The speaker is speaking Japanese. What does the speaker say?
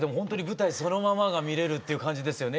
舞台そのままが見れるって感じですね。